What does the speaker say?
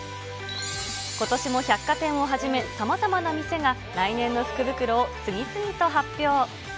ことしも百貨店をはじめさまざまな店が、来年の福袋を次々と発表。